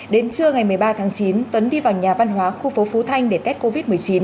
đến trưa ngày một mươi ba tháng chín tuấn đi vào nhà văn hóa khu phố phú thanh để tết covid một mươi chín